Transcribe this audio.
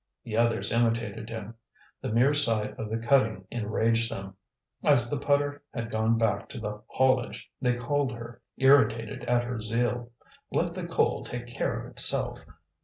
The others imitated him. The mere sight of the cutting enraged them. As the putter had gone back to the haulage they called her, irritated at her zeal: let the coal take care of itself.